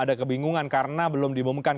ada kebingungan karena belum diumumkan